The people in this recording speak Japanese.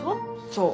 そう。